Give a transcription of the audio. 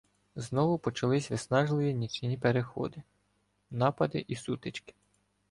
Знову почалися виснажливі нічні переходи, напади і сутички.